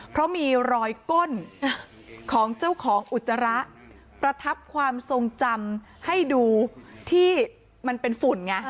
เพราะมีรอยก้นของเจ้าของอุจจาระประทับความทรงจำให้ดูที่มันเป็นฝุ่นไง